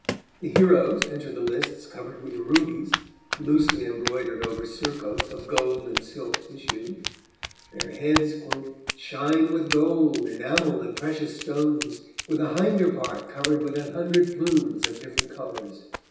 The heroes enter the lists covered with rubies, loosely embroidered over surcoats of gold and silk tissue; their heads "shine with gold, enamel and precious stones, with the hinder part covered with an hundred plumes of different colours."